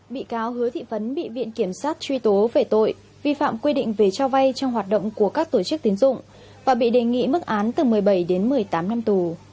bị cáo hứa thị phấn bị viện kiểm sát truy tố về tội vi phạm quy định về cho vay trong hoạt động của các tổ chức tiến dụng và bị đề nghị mức án từ một mươi bảy đến một mươi tám năm tù